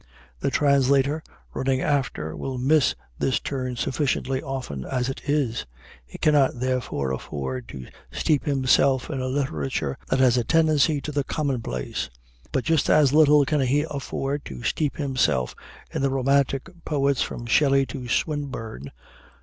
The translator, running after, will miss this turn sufficiently often, as it is; he cannot, therefore, afford to steep himself in a literature that has a tendency to the commonplace. But just as little can he afford to steep himself in the Romantic Poets from Shelley to Swinburne.